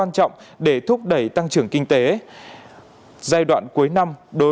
như thế nào